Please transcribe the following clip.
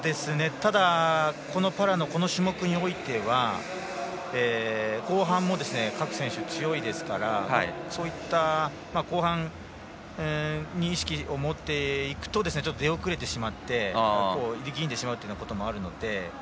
ただ、パラのこの種目においては後半も各選手、強いですから後半に意識を持っていくと出遅れてしまって力んでしまうということもあるので。